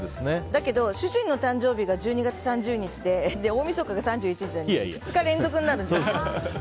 だけど主人の誕生日が１２月３０日で大みそかが３１日だから２日連続になるんです。